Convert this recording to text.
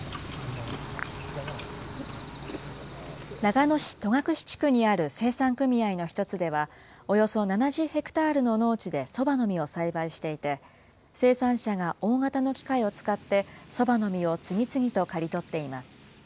長野市戸隠地区にある生産組合の１つでは、およそ７０ヘクタールの農地でそばの実を栽培していて、生産者が大型の機械を使ってそばの実を次々と刈り取っています。